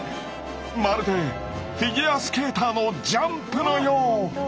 まるでフィギュアスケーターのジャンプのよう！